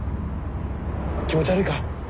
気持ち悪いか？